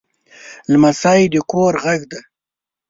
لمسی د کور غږ دی.